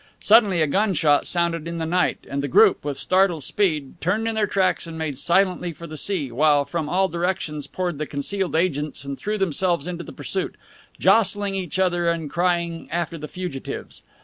Suddenly a gunshot sounded in the night, and the group, with startled speed, turned in their tracks and made silently for the sea, while from all directions poured the concealed agents and threw themselves into the pursuit, jostling each other and crying after the fugitives.